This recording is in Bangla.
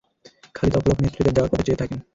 খালিদ অপলক নেত্রে তার যাওয়ার পথে চেয়ে থাকেন।